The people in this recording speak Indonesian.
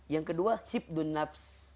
yang kedua hibdun nafs